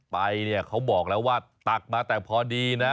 ไปเนี่ยเขาบอกแล้วว่าตักมาแต่พอดีนะ